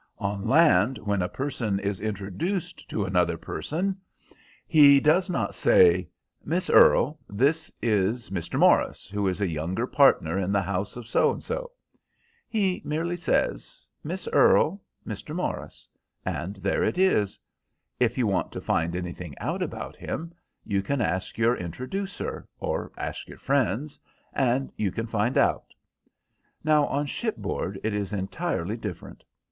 On land, when a person is introduced to another person, he does not say, 'Miss Earle, this is Mr. Morris, who is a younger partner in the house of So and so.' He merely says, 'Miss Earle, Mr. Morris,' and there it is. If you want to find anything out about him you can ask your introducer or ask your friends, and you can find out. Now, on shipboard it is entirely different.